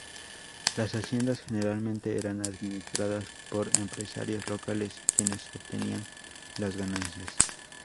Las haciendas generalmente eran administradas por empresarios locales, quienes obtenían las ganancias.